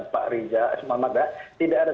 pak rizal semama sama tidak ada